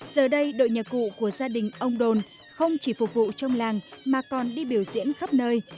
giờ đây đội nhạc cụ của gia đình ông đồn không chỉ phục vụ trong làng mà còn đi biểu diễn khắp nơi